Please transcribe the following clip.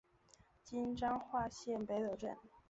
今彰化县北斗镇。